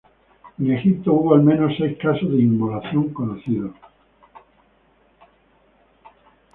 En Egipto hubo al menos seis casos de inmolación conocidos.